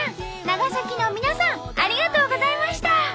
長崎の皆さんありがとうございました！